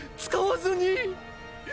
使わずに？